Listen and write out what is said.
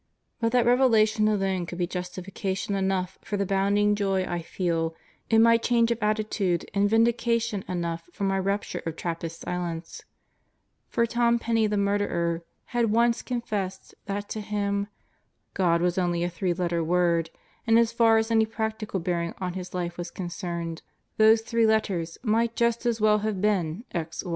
But that revelation alone would be justifica tion enough for the bounding joy I feel in my change of attitude and vindication enough for my rupture of Trappist silence; for Tom Penney the murderer had once confessed that to him "God was only a three letter word, and as far as any practical bearing on his life was concerned, those three letters might just as well have been x y z."